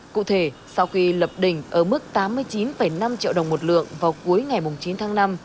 cụ thể sau khi lập đỉnh ở mức tám mươi chín năm triệu đồng một lượng vào cuối ngày chín tháng năm